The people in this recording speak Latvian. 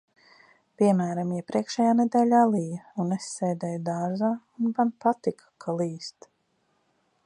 Piemēram, iepriekšējā nedēļā lija, un es sēdēju dārzā, un man patika, ka līst.